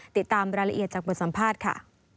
ติดตามรายละเอียดจากบทสัมภาษณ์ค่ะ